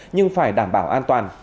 nhưng phải đảm bảo an toàn